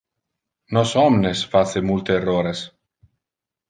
Nos omnes face multe errores.